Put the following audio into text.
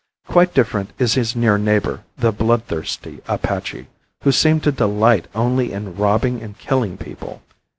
Quite different is his near neighbor, the bloodthirsty Apache, who seems to delight only in robbing and killing people.